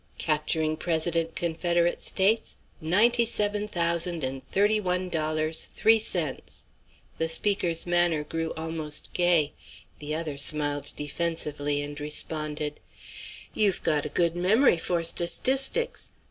Capturing president Confederate States ninety seven thousand and thirty one dollars, three cents." The speaker's manner grew almost gay. The other smiled defensively, and responded: "You've got a good memory for sta stistics.